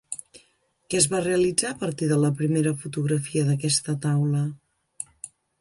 Què es va realitzar a partir de la primera fotografia d'aquesta taula?